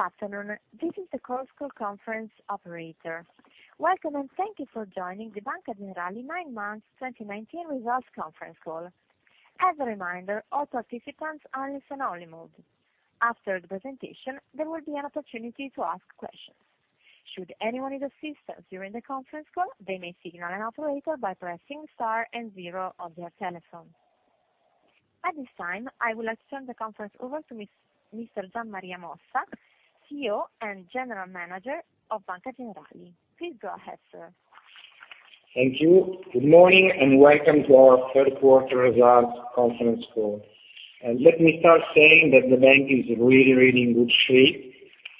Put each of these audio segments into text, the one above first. Good afternoon. This is the Chorus Call Conference operator. Welcome, thank you for joining the Banca Generali nine months 2019 results conference call. As a reminder, all participants are in listen-only mode. After the presentation, there will be an opportunity to ask questions. Should anyone need assistance during the conference call, they may signal an operator by pressing star and zero on their telephone. At this time, I would like to turn the conference over to Mr. Gian Maria Mossa, CEO and General Manager of Banca Generali. Please go ahead, sir. Thank you. Good morning, and welcome to our third quarter results conference call. Let me start saying that the bank is really in good shape.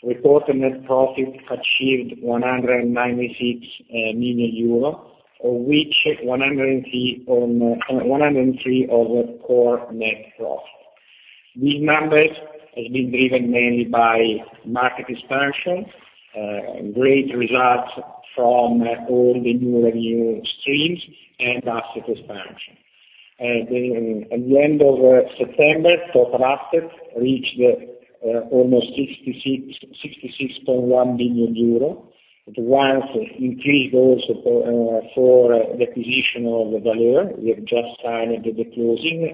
Reported net profit achieved 196 million euro, of which 103 of core net profit. These numbers have been driven mainly by market expansion, great results from all the new revenue streams, and asset expansion. At the end of September, total assets reached almost 66.1 billion euro. Once increased also for acquisition of Valeur, we have just signed the closing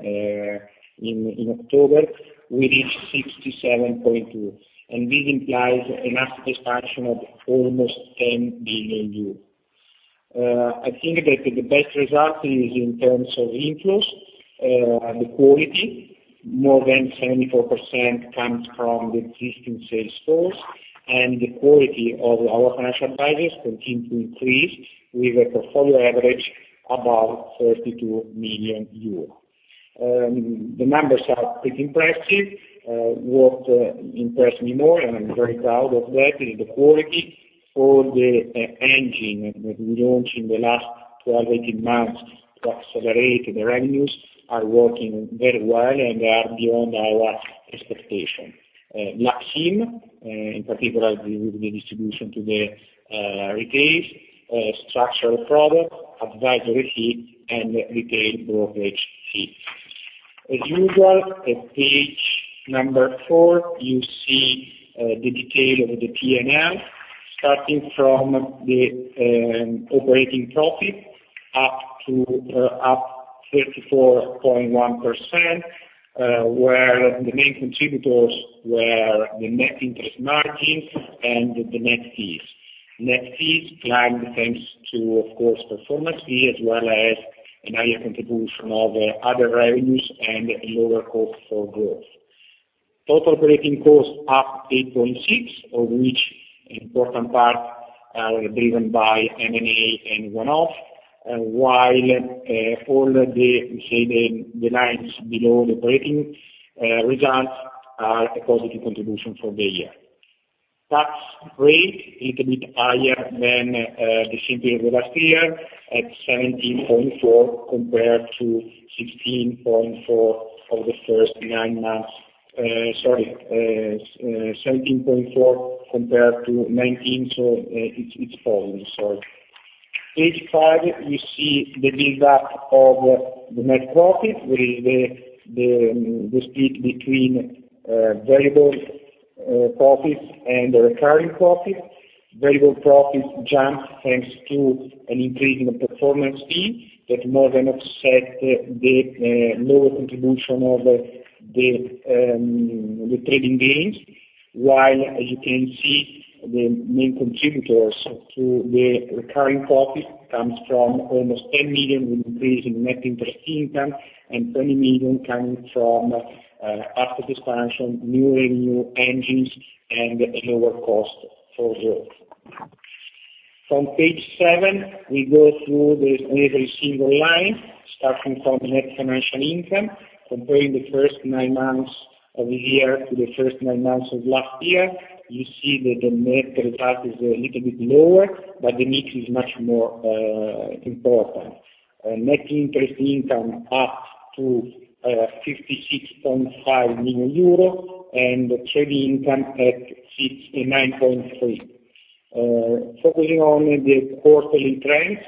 in October, we reached 67.2 billion. This implies an asset expansion of almost 10 billion euros. I think that the best result is in terms of inflows. The quality, more than 74%, comes from the existing sales force, and the quality of our financial advisors continue to increase, with a portfolio average above 32 million euros. The numbers are pretty impressive. What impressed me more, and I'm very proud of that, is the quality for the engine that we launched in the last 12, 18 months to accelerate the revenues are working very well and are beyond our expectation. Black team, in particular, with the distribution to the retail structural product, advisory fee, and retail brokerage fee. As usual, at page number four, you see the detail of the P&L, starting from the operating profit up 34.1%, where the main contributors were the net interest margin and the net fees. Net fees climbed thanks to, of course, performance fee as well as a higher contribution of other revenues and lower cost for growth. Total operating cost up 8.6%, of which an important part driven by M&A and one-off, while all the lines below the operating results are a positive contribution for the year. Tax rate little bit higher than the same period last year at 17.4% compared to 16.4% for the first nine months. Sorry, 17.4% compared to 19%. It's falling. Page five, you see the build-up of the net profit with the split between variable profits and recurring profits. Variable profits jumped thanks to an increase in the performance fee that more than offset the lower contribution of the trading gains, while as you can see, the main contributors to the recurring profit comes from almost 10 million, with increase in Net Interest Income and 20 million coming from asset expansion, new revenue engines, and a lower cost for growth. From page seven, we go through every single line, starting from net financial income comparing the first nine months of the year to the first nine months of last year. You see that the net result is a little bit lower, but the mix is much more important. Net interest income up to 56.5 million euro and trading income at 69.3. Focusing on the quarterly trends,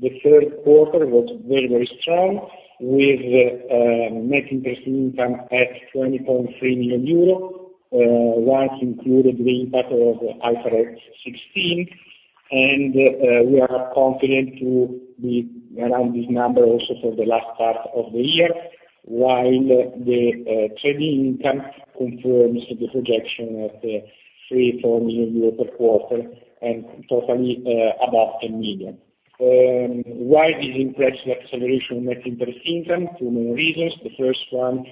the third quarter was very strong, with Net interest income at 20.3 million euro. Once included the impact of IFRS 16, and we are confident to be around this number also for the last part of the year, while the trading income confirms the projection at three, four million EUR per quarter and totally above 10 million. Why this impressive acceleration of Net interest income? Two main reasons. The first one,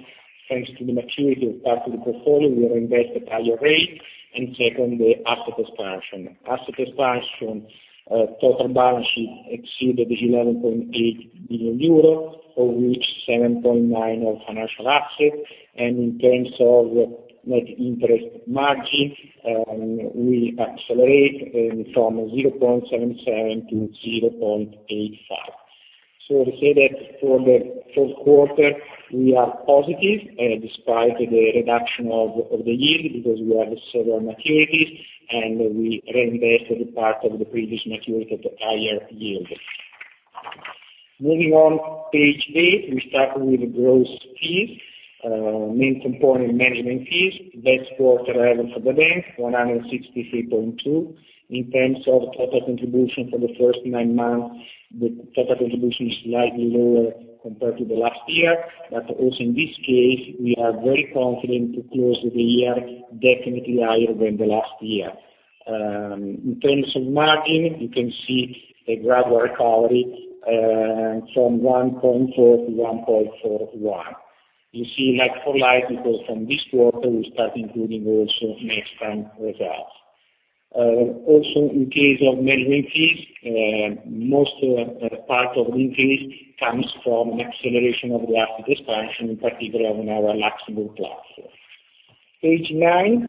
thanks to the maturity of part of the portfolio reinvest at higher rate, and second, the asset expansion. Asset expansion, total balance sheet exceeded 11.8 billion euro, of which 7.9 of financial assets. In terms of net interest margin, we accelerate from 0.77% to 0.85%. To say that for the fourth quarter, we are positive despite the reduction of the yield because we have several maturities, and we reinvested part of the previous maturity at the higher yield. Moving on, page eight. We start with gross fees. Main component, management fees. Best quarter ever for the bank, 163.2. In terms of total contribution for the first nine months, the total contribution is slightly lower compared to the last year. Also in this case, we are very confident to close the year definitely higher than the last year. In terms of margin, you can see a gradual recovery from 1.4% to 1.41%. You see it for life because from this quarter we start including also Nextam results. Also in case of management fees, most part of the increase comes from an acceleration of the asset expansion, in particular on our Luxembourg platform. Page nine.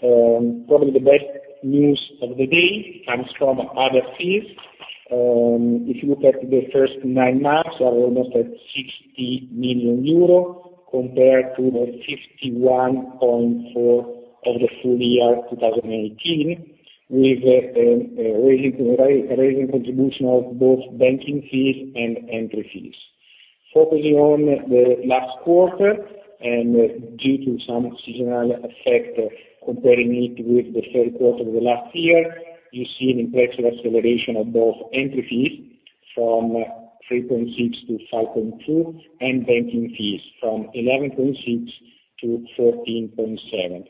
Probably the best news of the day comes from other fees. If you look at the first nine months, we are almost at 60 million euro compared to the 51.4 of the full year 2018, with a raising contribution of both banking fees and entry fees. Focusing on the last quarter, and due to some seasonal effect, comparing it with the third quarter of the last year, you see an impressive acceleration of both entry fees from 3.6-5.2 and banking fees from 11.6-13.7.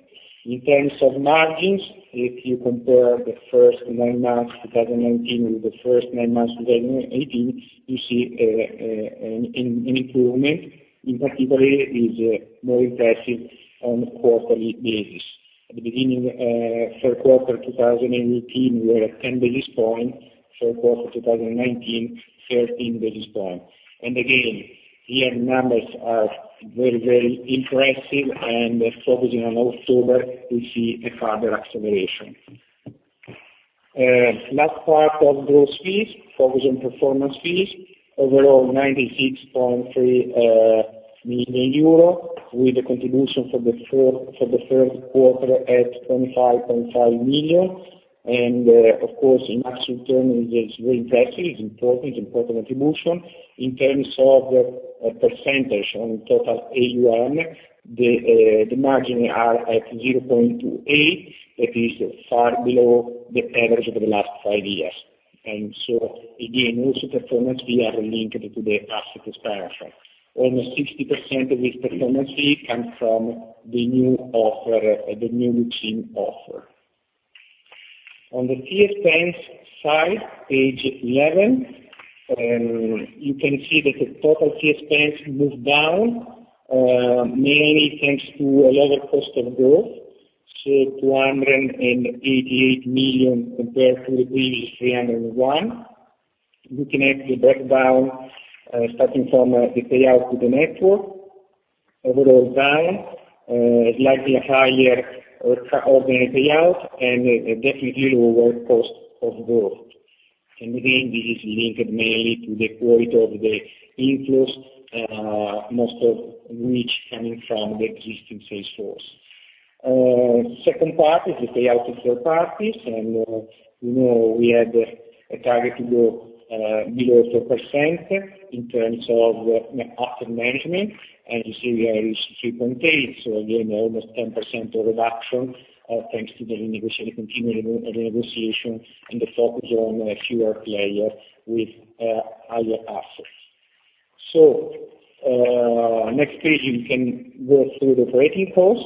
In terms of margins, if you compare the first nine months 2019 with the first nine months 2018, you see an improvement, in particular is more impressive on a quarterly basis. At the beginning, third quarter 2018, we are at 10 basis points. Third quarter 2019, 13 basis points. Year numbers are very impressive, and focusing on October, we see a further acceleration. Last part of gross fees, focus on performance fees. 96.3 million euro, with the contribution for the third quarter at 25.5 million. In absolute terms, it is very impressive. It's important contribution. In terms of percentage on total AUM, the margin are at 0.28, that is far below the average over the last five years. Also performance fee are linked to the assets under management. Almost 60% of this performance fee comes from the new routine offer. On the key expense side, page 11, you can see that the total key expense moved down, mainly thanks to a lower cost of growth, so 288 million compared to the 301 million. You can actually back down, starting from the payout to the network. Overall down, slightly higher organized payout and definitely lower cost of growth. Again, this is linked mainly to the quality of the inflows, most of which coming from the existing sales force. Second part is the payout to third parties. You know we had a target to go below 4% in terms of asset management, and you see we are at 3.8%. Again, almost 10% reduction, thanks to the negotiation continuing and the focus on fewer players with higher assets. Next page, you can go through the operating cost.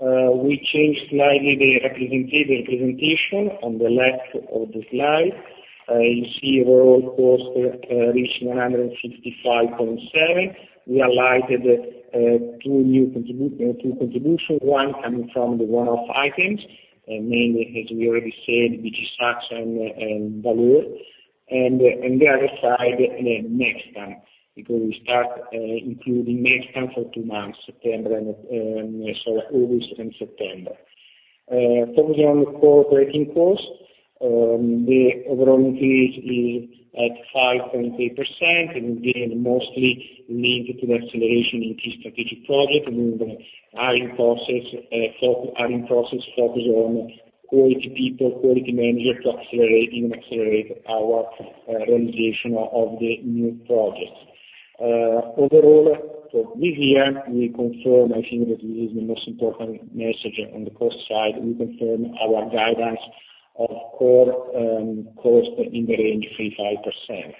We changed slightly the representation on the left of the slide. You see overall cost reach 165.7. We highlighted two contributions, one coming from the one-off items, mainly, as we already said, BG SAXO and Valeur. The other side, Nextam, because we start including Nextam for two months, August and September. Focusing on core operating costs, the overall increase is at 5.3%, and again, mostly linked to the acceleration in key strategic projects and the hiring process focused on quality people, quality manager to accelerate our realization of the new projects. Overall, for this year, I think that this is the most important message on the cost side. We confirm our guidance of core cost in the range 3%-5%.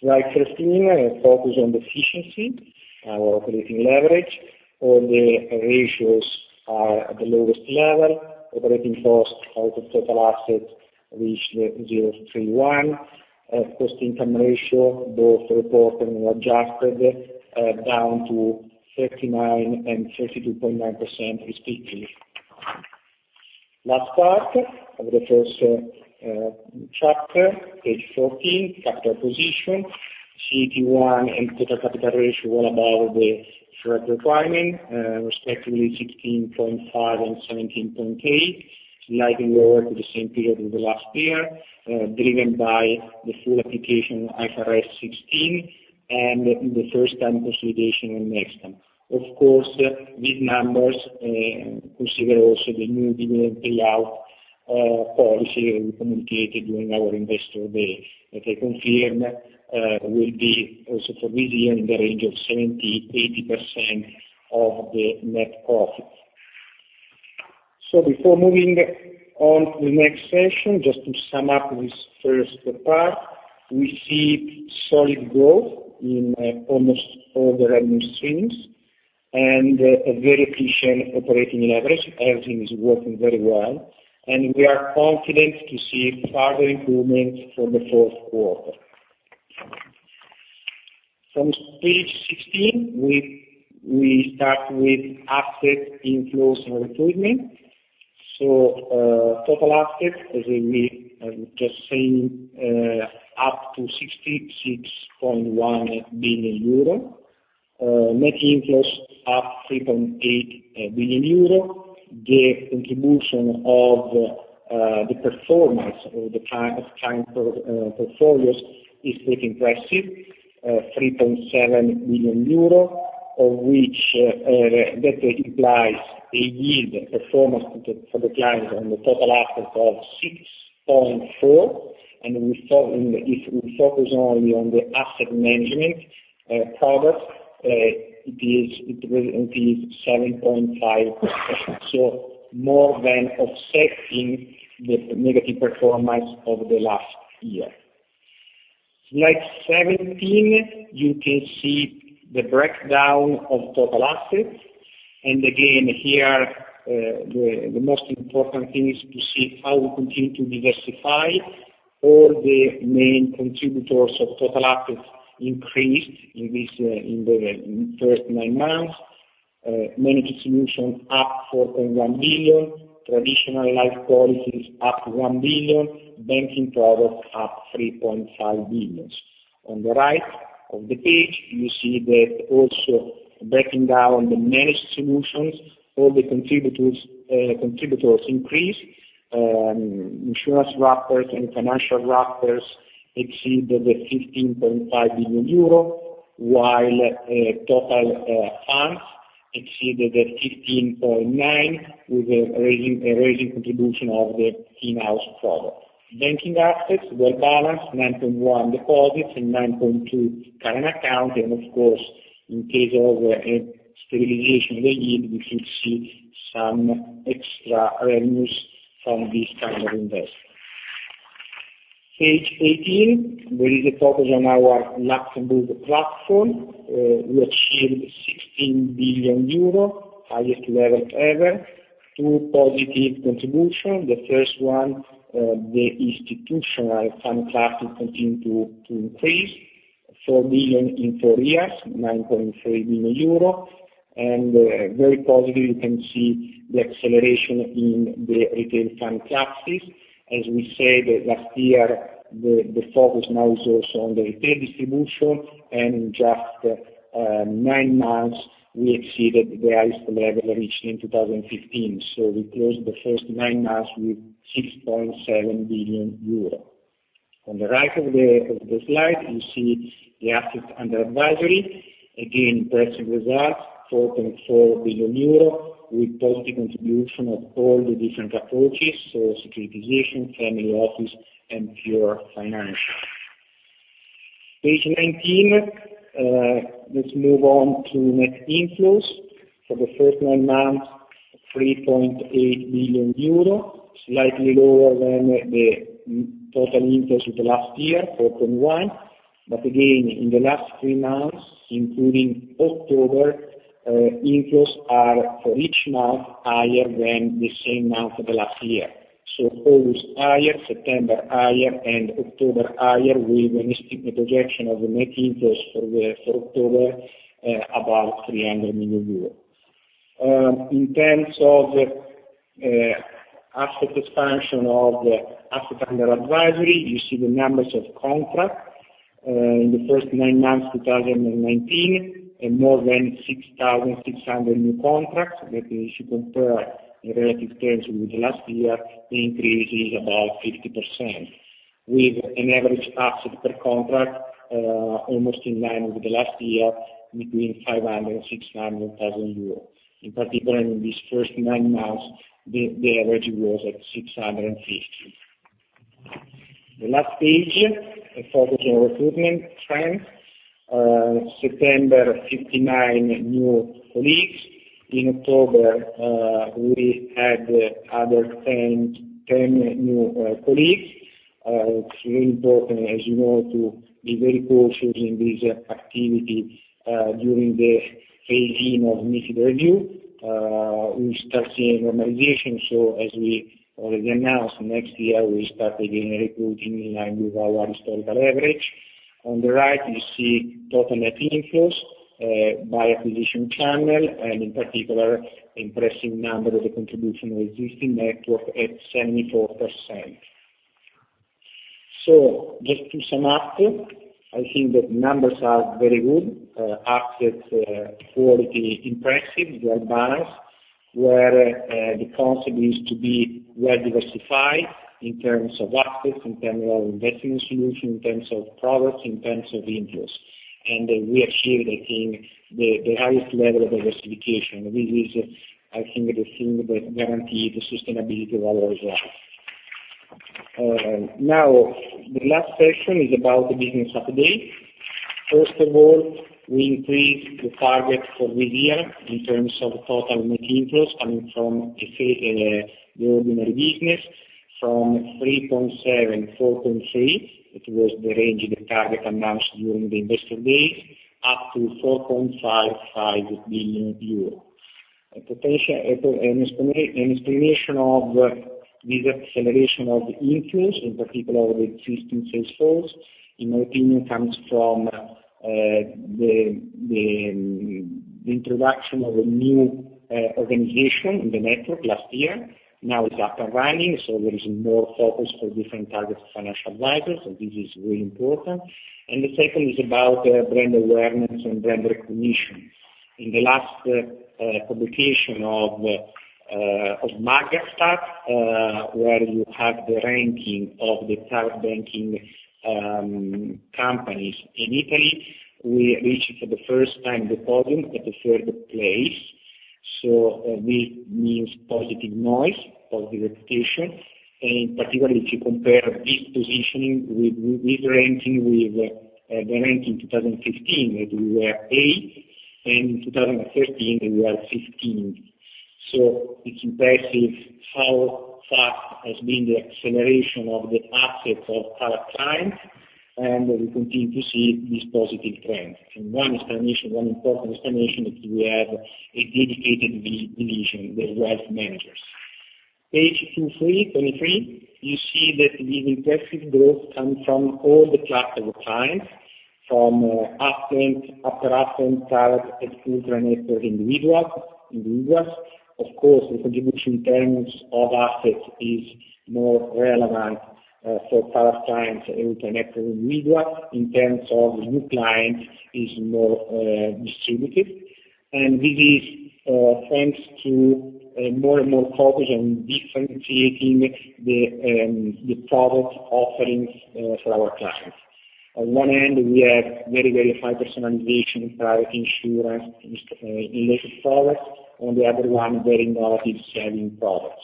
Slide 13, focus on the efficiency, our operating leverage. All the ratios are at the lowest level. Operating cost out of total assets reached 0.31%. Cost income ratio, both reported and adjusted, down to 39% and 32.9% respectively. Last part of the first chapter, page 14, capital position. CET1 and total capital ratio, well above the SREP requirement, respectively 16.5 and 17.8, slightly lower to the same period over the last year, driven by the full application IFRS 16. In the first-time consolidation of Nextam. Of course, these numbers consider also the new dividend payout policy we communicated during our investor day, that I confirm will be also for this year in the range of 70%-80% of the net profit. Before moving on to the next section, just to sum up this first part, we see solid growth in almost all the revenue streams and a very efficient operating leverage. Everything is working very well, we are confident to see further improvements for the fourth quarter. From page 16, we start with asset inflows and recruitment. Total assets, as I was just saying, up to 66.1 billion euro. Net inflows up 3.8 billion euro. The contribution of the performance of the client portfolios is pretty impressive, 3.7 billion euro, that implies a yield performance for the client on the total assets of 6.4%. If we focus only on the asset management product, it will increase 7.5%, so more than offsetting the negative performance of the last year. Slide 17, you can see the breakdown of total assets. Again, here, the most important thing is to see how we continue to diversify. All the main contributors of total assets increased in the first nine months. Managed solutions up 4.1 billion, traditional life policies up 1 billion, banking products up 3.5 billion. On the right of the page, you see that also breaking down the managed solutions, all the contributors increase. Insurance wrappers and financial wrappers exceeded 15.5 billion euro, while total funds exceeded at 15.9 billion with the rising contribution of the in-house product. Banking assets, well balanced, 9.1 deposits and 9.2 current account. Of course, in case of a stabilization of the yield, we could see some extra revenues from this kind of investment. Page 18, there is a focus on our Luxembourg platform. We achieved 16 billion euro, highest level ever, through positive contribution. The first one, the institutional fund classes continue to increase, 4 billion in four years, 9.3 billion euro. Very positive, you can see the acceleration in the retail fund classes. As we said last year, the focus now is also on the retail distribution. In just nine months, we exceeded the highest level reached in 2015. We closed the first nine months with 6.7 billion euro. On the right of the slide, you see the assets under advisory. Again, impressive results, 4.4 billion euro with positive contribution of all the different approaches, so securitization, family office, and pure financial. Page 19. Let's move on to net inflows. For the first nine months, 3.8 billion euro, slightly lower than the total inflows of the last year, 4.1 billion. Again, in the last three months, including October, inflows are for each month higher than the same month of the last year. August higher, September higher, and October higher, with an estimation projection of the net inflows for October about EUR 300 million. In terms of asset expansion of asset under advisory, you see the numbers of contracts. In the first nine months of 2019, more than 6,600 new contracts. If you compare in relative terms with last year, the increase is about 50%, with an average asset per contract almost in line with the last year, between 500,000 and 600,000 euros. In these first nine months, the average was at 650,000. The last page, a focus on recruitment trends. September, 59 new colleagues. In October, we had other 10 new colleagues. It's very important, as you know, to be very cautious in this activity during the phasing of MiFID review. We start seeing normalization. As we already announced, next year, we start again recruiting in line with our historical average. On the right, you see total net inflows by acquisition channel. In particular, impressive number of the contribution of existing network at 74%. Just to sum up, I think the numbers are very good. Assets quality impressive, well balanced. Where the concept is to be well diversified in terms of assets, in terms of our investing solution, in terms of products, in terms of inflows. We achieved, I think, the highest level of diversification. This is, I think, the thing that guarantees the sustainability of our growth. The last section is about the business update. First of all, we increased the target for this year in terms of total net inflows coming from the ordinary business from 3.7-4.3. It was the range, the target announced during the investor days, up to 4.55 billion euro. A potential, an explanation of this acceleration of the inflows in particular over the existing sales force, in my opinion, comes from the introduction of a new organization in the network last year. Now it's up and running, there is more focus for different targets of financial advisors. This is very important. The second is about brand awareness and brand recognition. In the last publication of Magstat, where you have the ranking of the private banking companies in Italy, we reached for the first time the podium at the third place. This means positive noise, positive reputation, and particularly if you compare this positioning with the ranking 2015, that we were eight, and 2013, we were 15. It's impressive how fast has been the acceleration of the assets of our clients, and we continue to see this positive trend. One important explanation, that we have a dedicated division with wealth managers. Page 23, you see that this impressive growth comes from all the class of clients, from affluent, upper affluent, private, and ultra-net-worth individuals. Of course, the contribution in terms of assets is more relevant for private clients and ultra-net-worth individual. In terms of new clients is more distributed. This is thanks to more and more focus on differentiating the product offerings for our clients. On one end, we have very, very high personalization, private insurance, related products, on the other one, very innovative saving products.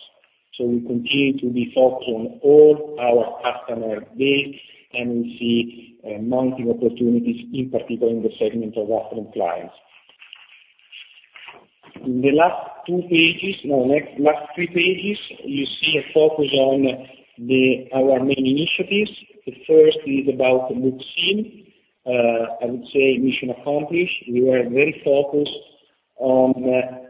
We continue to be focused on all our customer base, and we see multiple opportunities, in particular in the segment of affluent clients. In the last 2 pages, no, next, last 3 pages, you see a focus on our main initiatives. The first is about Lux IM. I would say mission accomplished. We were very focused on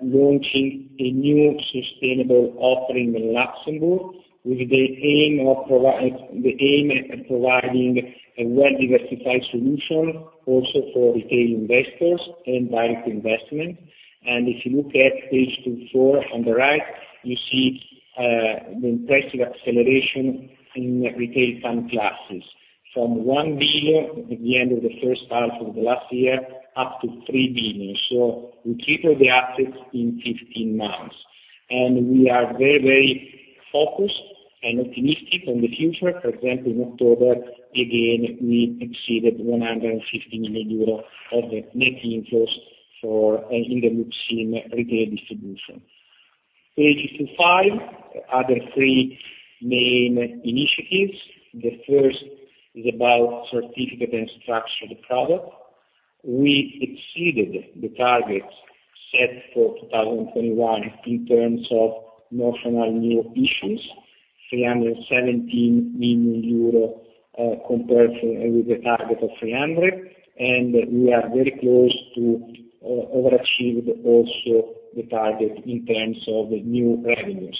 launching a new sustainable offering in Luxembourg with the aim at providing a well-diversified solution also for retail investors and direct investment. If you look at page 24 on the right, you see the impressive acceleration in retail fund classes. From 1 billion at the end of the first half of last year, up to 3 billion. We tripled the assets in 15 months. We are very focused and optimistic on the future. For example, in October, again, we exceeded 150 million euro of net inflows in the Lux IM retail distribution. Page 25, other three main initiatives. The first is about certificate and structured product. We exceeded the targets set for 2021 in terms of notional new issues, 317 million euro, compared with the target of 300 million. We are very close to overachieve also the target in terms of new revenues.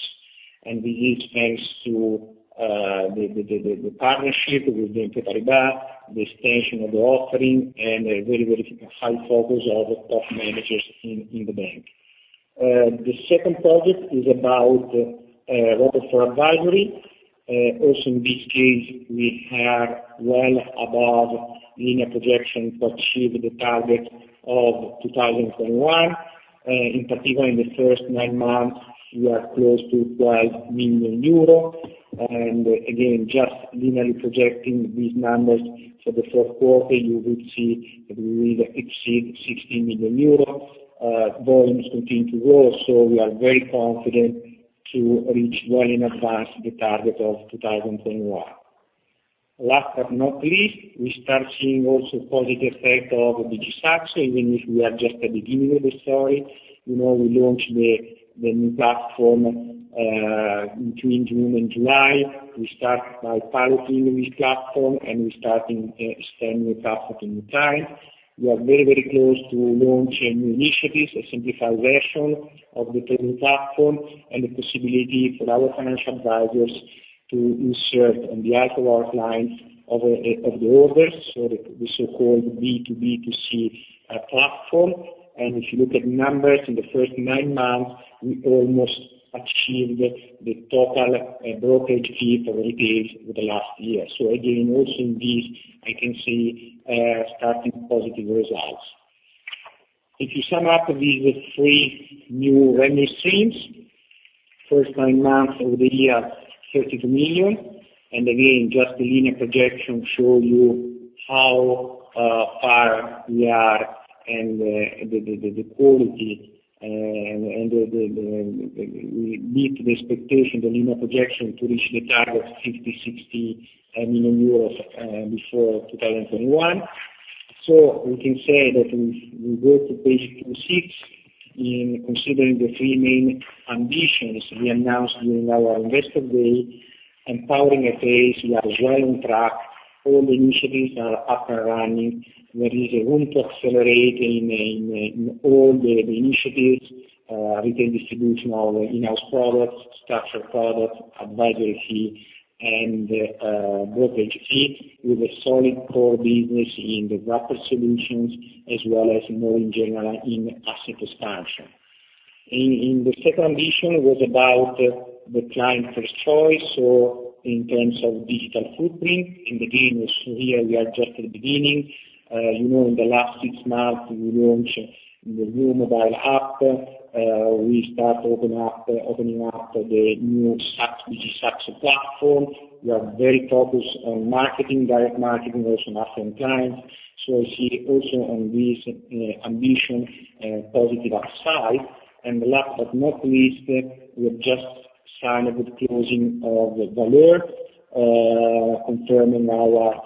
This is thanks to the partnership with BNP Paribas, the extension of the offering, and a very high focus of managers in the bank. The second project is about robo-advisory. Also, in this case, we are well above linear projection to achieve the target of 2021. In particular, in the first nine months, we are close to 12 million euro. Again, just linearly projecting these numbers for the fourth quarter, you would see that we will exceed 16 million euros. Volumes continue to grow, so we are very confident to reach well in advance the target of 2021. Last but not least, we start seeing also positive effect of BG SAXO, even if we are just at the beginning of the story. We launched the new platform between June and July. We start by piloting this platform, and we're starting expanding the platform in time. We are very close to launch a new initiatives, a simplified version of the current platform, and the possibility for our financial advisors to insert on behalf of our clients of the orders, the so-called B2B2C platform. If you look at numbers, in the first nine months, we almost achieved the total brokerage fee for retail for the last year. Again, also in this, I can see starting positive results. If you sum up these three new revenue streams, first nine months of the year, 32 million. Again, just the linear projection show you how far we are and the quality, and we meet the expectation, the linear projection to reach the target 50 million-60 million euros before 2021. We can say that we go to page 26. In considering the three main ambitions we announced during our investor day, empowering a phase, we are well on track. All the initiatives are up and running. There is room to accelerate in all the initiatives, retail distribution of in-house products, structured products, advisory fee, and brokerage fee, with a solid core business in the wrapper solutions as well as more in general in asset expansion. In the second mission was about the client first choice, in terms of digital footprint. Again, also here we are just at the beginning. In the last six months, we launched the new mobile app. We start opening up the new Saxo platform. We are very focused on marketing, direct marketing, also marketing clients. I see also on this ambition, a positive upside. Last but not least, we have just signed the closing of Valeur, confirming our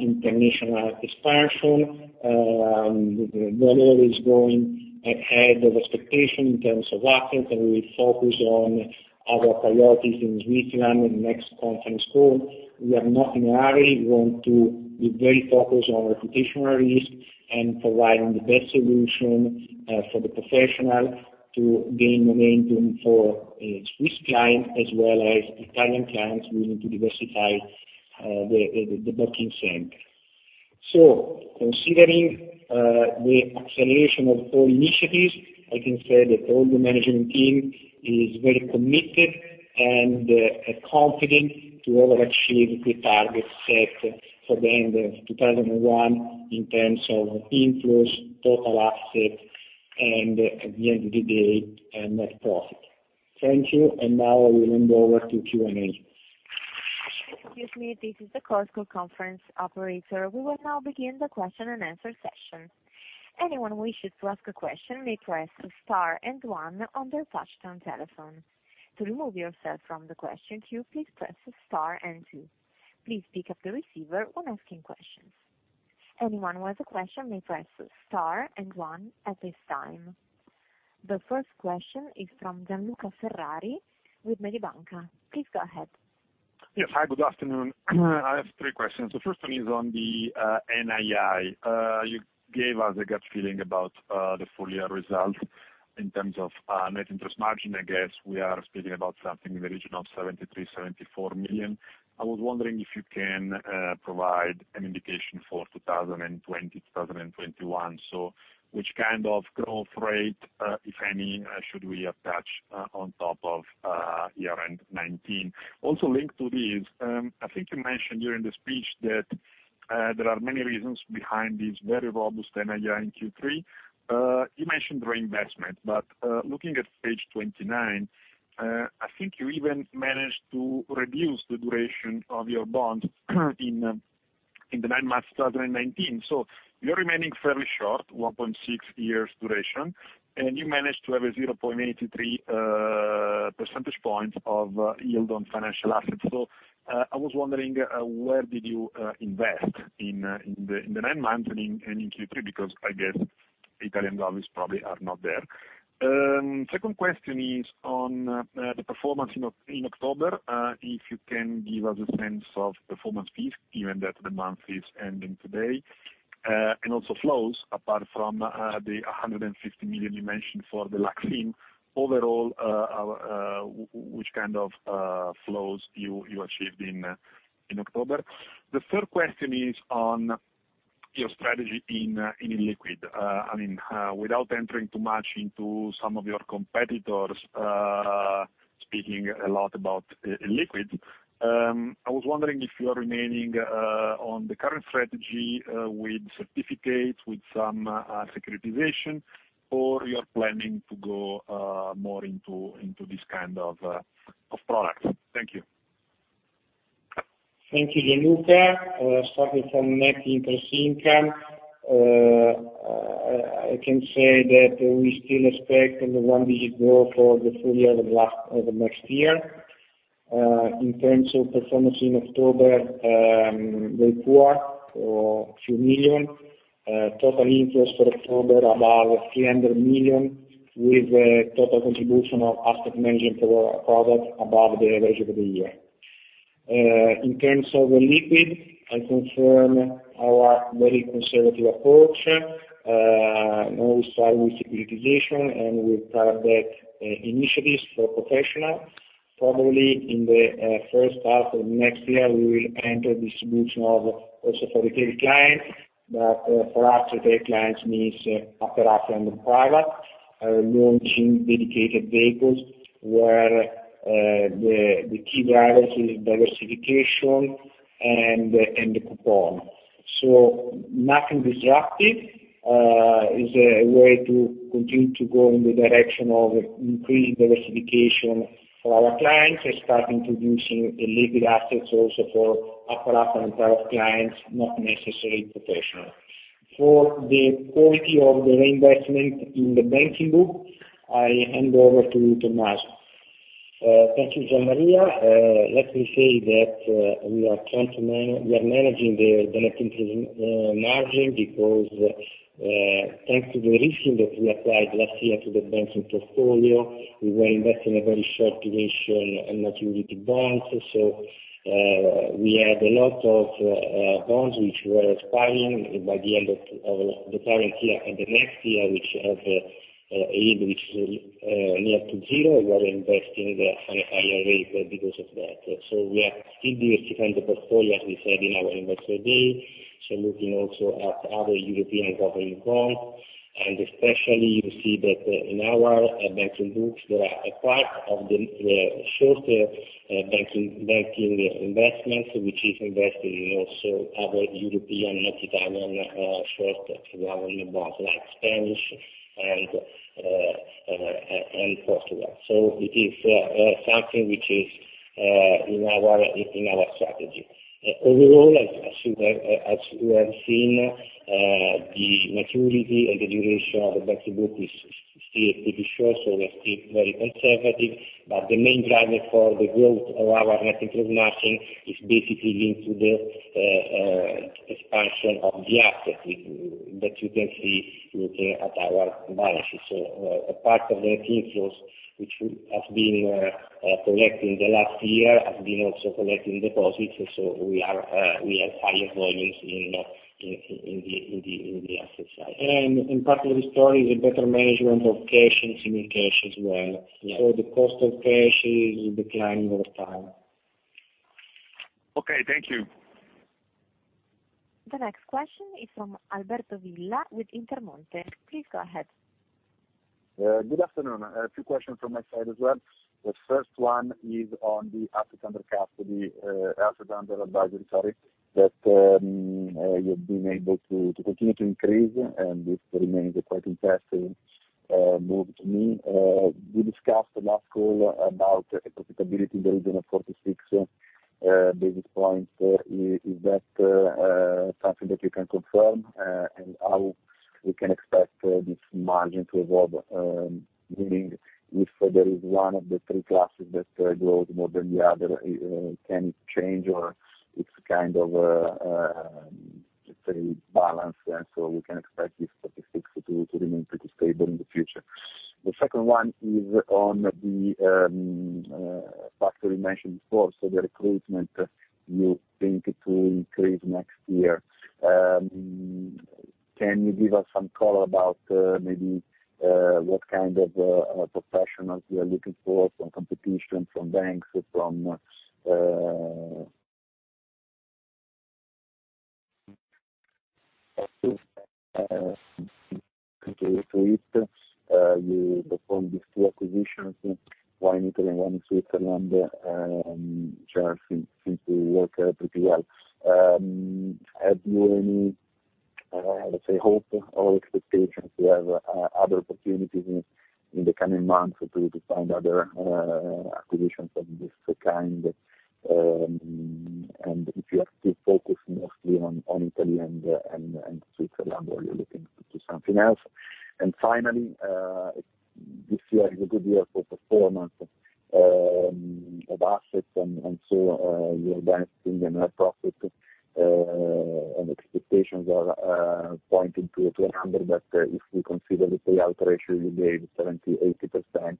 international expansion. The value is going ahead of expectation in terms of assets. We focus on our priorities in Switzerland in the next conference call. We are not in a hurry. We want to be very focused on reputational risk and providing the best solution for the professional to gain momentum for Swiss clients, as well as Italian clients willing to diversify the banking center. Considering the acceleration of all initiatives, I can say that all the management team is very committed and confident to overachieve the targets set for the end of 2021 in terms of inflows, total assets, and at the end of the day, net profit. Thank you. Now I will hand over to Q&A. Excuse me. This is the Chorus Call Conference operator. We will now begin the question and answer session. Anyone wishing to ask a question may press star 1 on their touch-tone telephone. To remove yourself from the question queue, please press star 2. Please pick up the receiver when asking questions. Anyone who has a question may press star 1 at this time. The first question is from Gian Luca Ferrari with Mediobanca. Please go ahead. Yes. Hi, good afternoon. I have three questions. The first one is on the NII. You gave us a gut feeling about the full-year result in terms of net interest margin. I guess we are speaking about something in the region of 73 million-74 million. I was wondering if you can provide an indication for 2020, 2021. Which kind of growth rate, if any, should we attach on top of year-end 2019? Linked to this, I think you mentioned during the speech that there are many reasons behind this very robust NII in Q3. You mentioned reinvestment, looking at page 29, I think you even managed to reduce the duration of your bonds in the nine months 2019. You're remaining fairly short, 1.6 years duration, and you managed to have a 0.83 percentage points of yield on financial assets. I was wondering, where did you invest in the nine months and in Q3? I guess Italian BTPs probably are not there. Second question is on the performance in October, if you can give us a sense of performance fees, given that the month is ending today. Also flows, apart from the 150 million you mentioned for the Lux IM. Overall, which kind of flows you achieved in October? The third question is on your strategy in illiquid. Without entering too much into some of your competitors speaking a lot about illiquid, I was wondering if you are remaining on the current strategy with certificates, with some securitization, or you're planning to go more into this kind of product. Thank you. Thank you, Gian Luca. Starting from Net Interest Income, I can say that we still expect a one-digit growth for the full year of next year. In terms of performance in October, very poor, a few million. Total interest for October, about 300 million, with a total contribution of asset management product above the average of the year. In terms of illiquid, I confirm our very conservative approach. Now we start with securitization, we'll target initiatives for professional. Probably in the first half of next year, we will enter distribution also for retail clients. For us, retail clients means upper upper and private. Launching dedicated vehicles where the key drivers is diversification and the coupon. Nothing disruptive. It's a way to continue to go in the direction of increasing diversification for our clients, and start introducing illiquid assets also for upper upper and upper clients, not necessarily professional. For the quality of the reinvestment in the banking book, I hand over to you, Tommaso. Thank you, Gian Maria. Let me say that we are managing the net interest margin because, thanks to the re-fee that we applied last year to the banking portfolio, we were investing a very short duration and maturity bonds. We had a lot of bonds which were expiring by the end of the current year and the next year, which have a yield which is near to zero. We are investing at a higher rate because of that. We are still diversifying the portfolio, as we said in our investor day. Looking also at other European government bonds. Especially you see that in our banking books, there are a part of the shorter banking investments, which is investing in also other European, not Italian, short government bonds, like Spanish and Portugal. It is something which is in our strategy. Overall, as you have seen, the maturity and the duration of the banking book is still pretty short, so we're still very conservative. But the main driver for the growth of our net interest margin is basically linked to the expansion of the assets that you can see looking at our balance sheet. A part of the net inflows, which has been collecting the last year, has been also collecting deposits. We have higher volumes in the asset side. Part of the story is a better management of cash and semi-cash as well. The cost of cash is declining over time. Okay, thank you. The next question is from Alberto Villa with Intermonte. Please go ahead. Good afternoon. A few questions from my side as well. The first one is on the assets under custody, assets under advisory, sorry, that you've been able to continue to increase, and this remains a quite impressive move to me. We discussed last call about a profitability in the region of 46 basis points. Is that something that you can confirm? How we can expect this margin to evolve? Meaning, if there is one of the three classes that grows more than the other, can it change or it's kind of, let's say, balanced, we can expect these statistics to remain pretty stable in the future. The second one is on the factor you mentioned before, the recruitment you think it will increase next year. Can you give us some color about maybe what kind of professionals you are looking for from competition, from banks, you performed these two acquisitions, one in Italy, one in Switzerland, which seem to work pretty well. Have you any, let's say, hope or expectations to have other opportunities in the coming months to do other acquisitions of this kind? If you are still focused mostly on Italy and Switzerland, or you're looking to do something else? Finally, this year is a good year for performance of assets, and so your net profit and expectations are pointing to EUR 200. If we consider the payout ratio will be 70%-80%,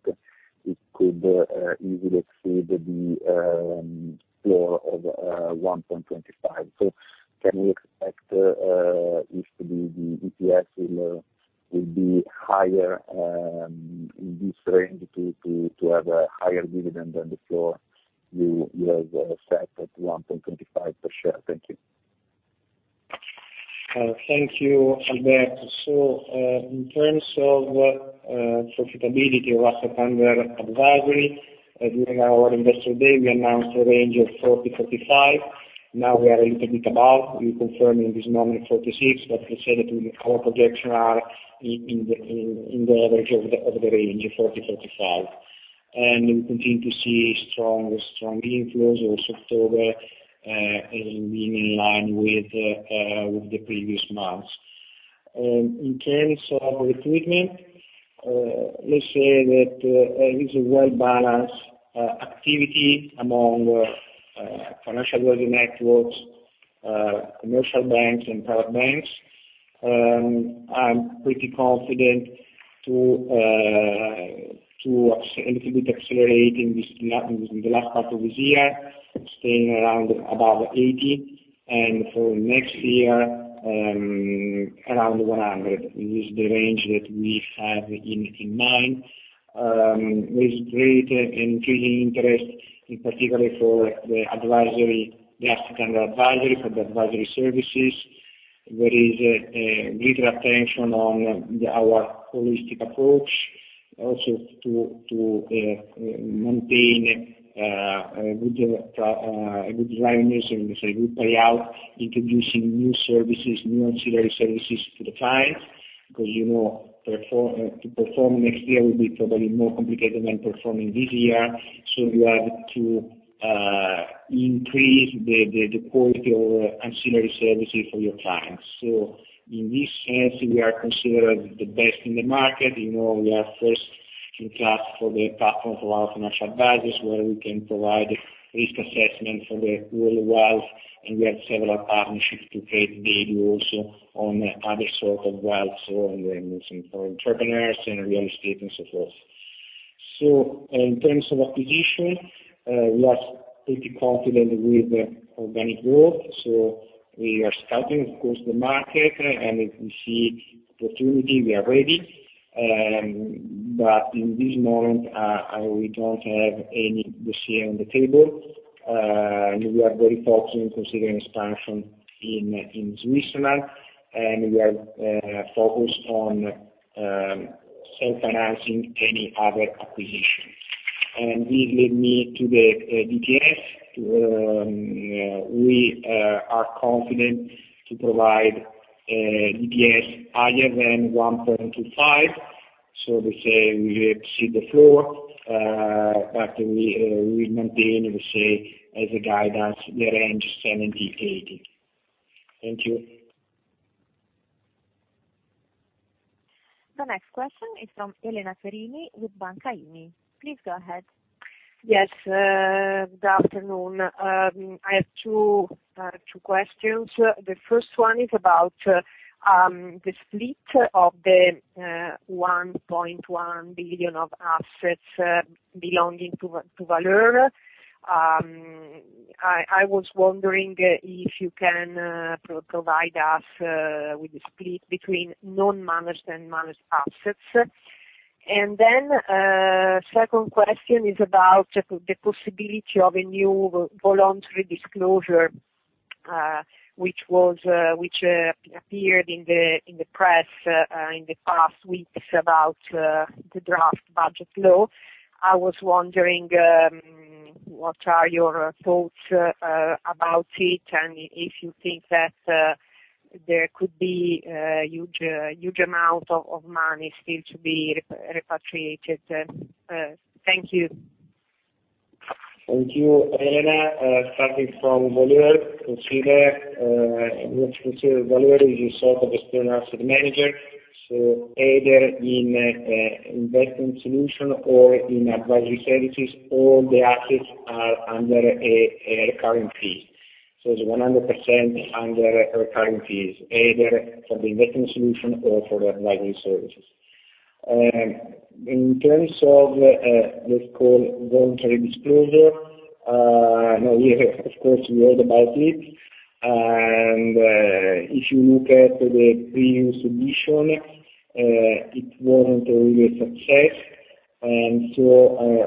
it could easily exceed the floor of 1.25. Can we expect if the EPS will be higher in this range to have a higher dividend than the floor you have set at 1.25 per share? Thank you. Thank you, Alberto. In terms of profitability of asset under advisory, during our investor day, we announced a range of 40-45. Now we are a little bit above. We're confirming this number at 46. Let's say that our projections are in the average of the range of 40-45. We continue to see strong inflows, also October has been in line with the previous months. In terms of recruitment, let's say that it is a well-balanced activity among financial advisory networks, commercial banks, and private banks. I'm pretty confident to a little bit accelerate in the last part of this year, staying around above 80, and for next year, around 100. It is the range that we have in mind. There's great increasing interest, in particular for the asset under advisory, for the advisory services. There is a greater attention on our holistic approach also to maintain a good drivers and good payout, introducing new services, new ancillary services to the clients. Because to perform next year will be probably more complicated than performing this year, you have to increase the quality of ancillary services for your clients. In this sense, we are considered the best in the market. We are first in class for the platform for our financial advisors, where we can provide risk assessment for the whole wealth, and we have several partnerships to create value also on other sort of wealth, for entrepreneurs and real estate and so forth. In terms of acquisition, we are pretty confident with the organic growth. We are scouting, of course, the market, and if we see opportunity, we are ready. In this moment, we don't have any this year on the table. We are very focused in considering expansion in Switzerland, and we are focused on self-financing any other acquisitions. This lead me to the DPS. We are confident to provide DPS higher than 1.25. We say we exceed the floor, but we will maintain, as a guidance, the range 70%-80%. Thank you. The next question is from Elena Perini with Banca IMI. Please go ahead. Yes, good afternoon. I have two questions. The first one is about the split of the 1.1 billion of assets belonging to Valeur. I was wondering if you can provide us with the split between non-managed and managed assets. Second question is about the possibility of a new voluntary disclosure, which appeared in the press in the past weeks about the Draft Budget Law. I was wondering, what are your thoughts about it, and if you think that there could be a huge amount of money still to be repatriated. Thank you. Thank you, Elena. Starting from Valeur, we consider Valeur as a sort of external asset manager. Either in investing solution or in advisory services, all the assets are under a recurring fee. It's 100% under recurring fees, either for the investing solution or for the advisory services. In terms of let's call voluntary disclosure, of course, we read about it. If you look at the previous edition, it wasn't really a success.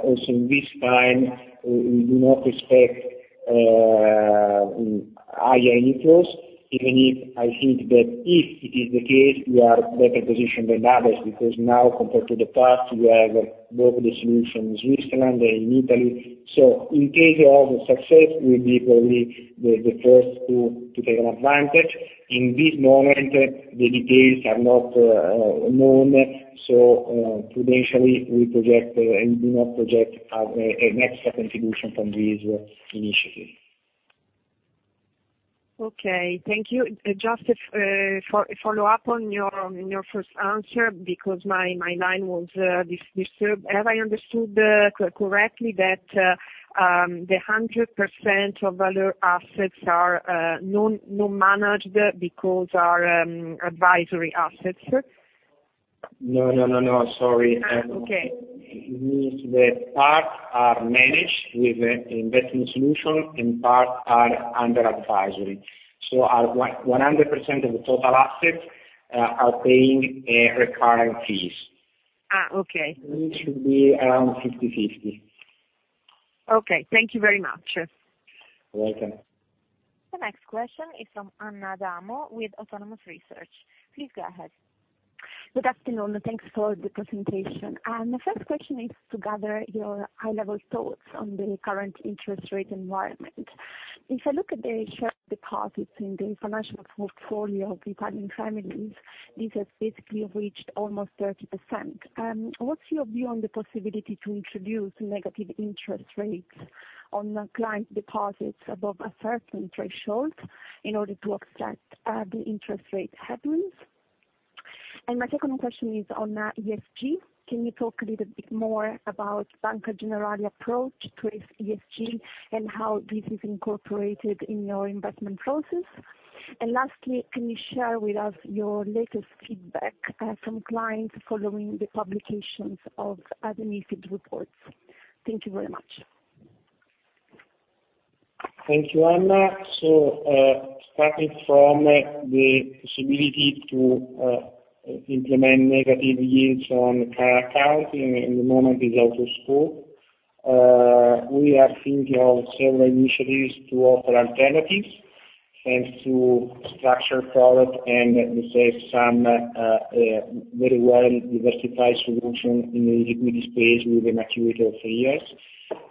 Also this time, we do not expect higher inflows, even if I think that if it is the case, we are better positioned than others because now compared to the past, we have both the solution in Switzerland and in Italy. In case of success, we'll be probably the first to take an advantage. In this moment, the details are not known. prudentially, we do not project an extra contribution from this initiative. Okay, thank you. Just a follow-up on your first answer because my line was disturbed. Have I understood correctly that the 100% of Valeur assets are non-managed because are advisory assets? No. Sorry. Okay. It means that part are managed with investing solution and part are under advisory. 100% of the total assets are paying recurring fees. Okay. It should be around 50/50. Okay. Thank you very much. You're welcome. The next question is from Anna Adamo with Autonomous Research. Please go ahead. Good afternoon. Thanks for the presentation. The first question is to gather your high-level thoughts on the current interest rate environment. If I look at the shared deposits in the financial portfolio of Italian families, this has basically reached almost 30%. What's your view on the possibility to introduce negative interest rates on client deposits above a certain threshold in order to offset the interest rate headwinds? My second question is on ESG. Can you talk a little bit more about Banca Generali approach towards ESG, and how this is incorporated in your investment process? Lastly, can you share with us your latest feedback from clients following the publications of the MiFID reports? Thank you very much. Thank you, Anna. Starting from the possibility to implement negative yields on current account, in the moment is out of scope. We are thinking of several initiatives to offer alternatives, thanks to structured products, and we save some very well-diversified solutions in the liquidity space with a maturity of three years.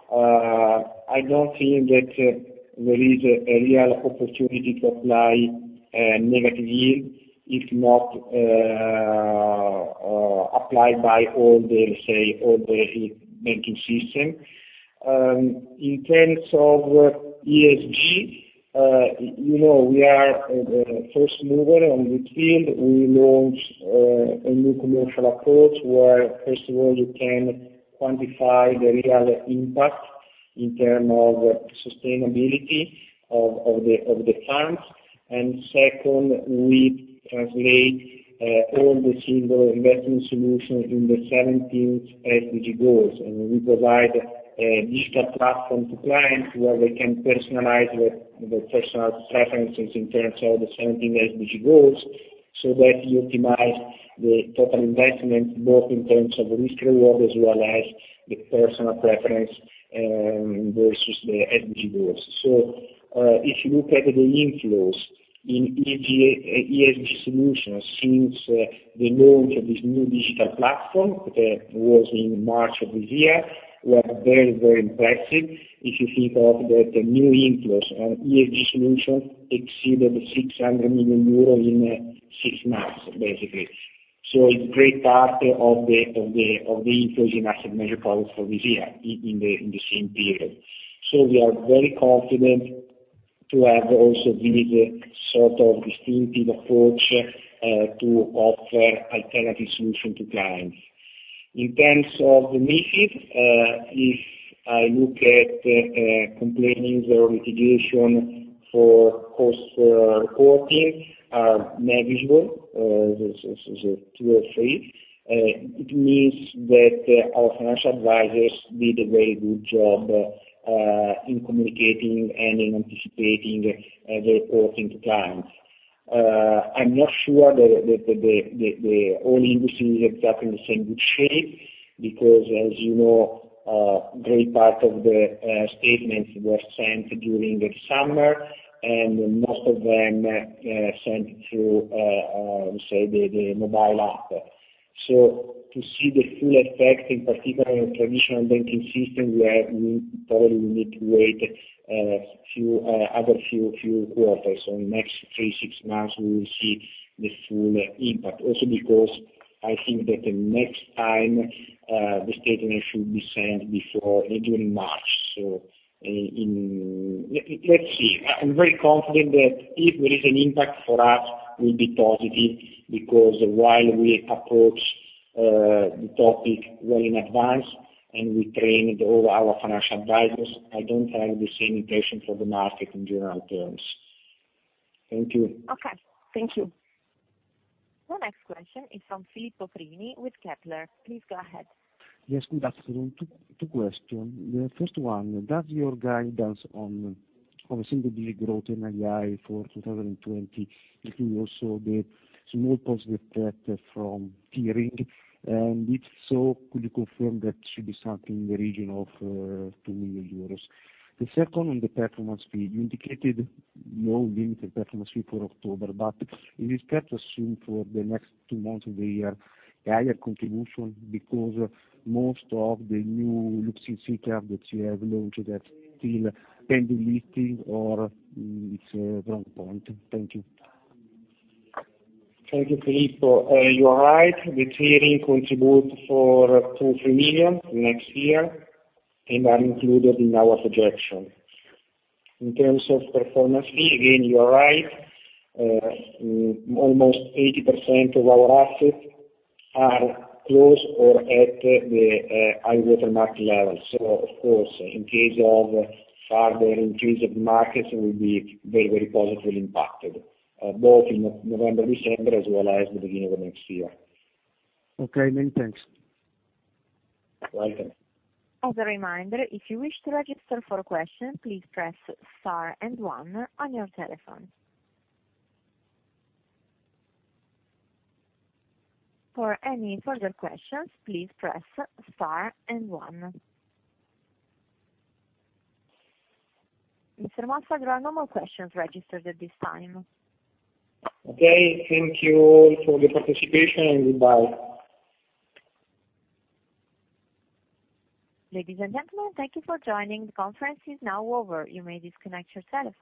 I don't think that there is a real opportunity to apply a negative yield, if not applied by all the banking system. In terms of ESG, we are a first mover on the field. We launched a new commercial approach where, first of all, you can quantify the real impact in terms of sustainability of the funds. Second, we translate all the single investment solutions in the 17 SDG goals, and we provide a digital platform to clients where they can personalize their personal preferences in terms of the 17 SDG goals, so that you optimize the total investment both in terms of risk-reward as well as the personal preference versus the SDG goals. If you look at the inflows in ESG solutions since the launch of this new digital platform, that was in March of this year, we are very, very impressed. If you think of that new inflows on ESG solutions exceeded 600 million euros in six months, basically. It's great part of the inflows in asset management products for this year in the same period. We are very confident to have also this sort of distinctive approach to offer alternative solutions to clients. In terms of MiFID, if I look at complaints or litigation for cost reporting are negligible. There's two or three. It means that our financial advisors did a very good job in communicating and in anticipating the reporting to clients. I'm not sure that all industries are exactly in the same good shape because, as you know, a great part of the statements were sent during the summer, and most of them sent through the mobile app. To see the full effect, in particular in traditional banking system, we probably will need to wait other few quarters. In the next three, six months, we will see the full impact. Also because I think that the Nextam, the statement should be sent before during March. Let's see. I'm very confident that if there is an impact for us, will be positive because while we approach the topic well in advance and we train all our financial advisors, I don't have the same expectation for the market in general terms. Thank you. Okay. Thank you. The next question is from Filippo Prini with Kepler. Please go ahead. Yes, good afternoon. Two questions. The first one, does your guidance on single-digit growth in AGI for 2020 include also the small positive effect from tiering? If so, could you confirm that should be something in the region of 2 million euros? The second on the performance fee. You indicated no limited performance fee for October, is that assumed for the next two months of the year, the higher contribution because most of the new Lux IM SICAVs that you have launched are still pending listing or it's a wrong point? Thank you. Thank you, Filippo. You are right, the tiering contribute for 2 million-3 million next year and are included in our projection. In terms of performance fee, again, you are right. Almost 80% of our assets are close or at the high water mark level. Of course, in case of further increase of markets, we will be very, very positively impacted both in November, December as well as the beginning of next year. Okay, many thanks. Welcome. As a reminder, if you wish to register for a question, please press star and one on your telephone. For any further questions, please press star and one. Mr. Mossa, there are no more questions registered at this time. Okay. Thank you all for the participation and goodbye. Ladies and gentlemen, thank you for joining. The conference is now over. You may disconnect your telephones.